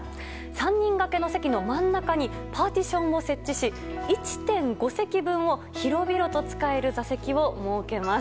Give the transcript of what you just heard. ３人がけの席の真ん中にパーティションを設置し１．５席分を広々と使える座席を設けます。